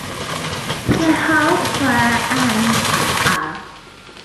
The whole forearm fell off.